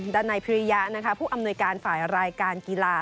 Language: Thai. ด้านในพริยะนะคะผู้อำนวยการฝ่ายรายการกีฬา